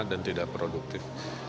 dan tidak produktif